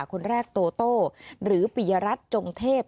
คนแรกโตโต้หรือปิยรัฐจงเทพ